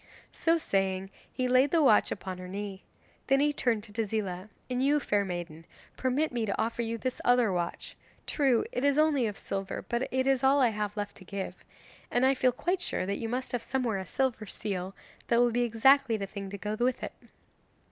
So saying he laid the watch upon her knee. Then he turned to Tezila. 'And you fair maiden, permit me to offer you this other watch. True it is only of silver, but it is all I have left to give. And I feel quite sure that you must have somewhere a silver seal, that will be exactly the thing to go with it.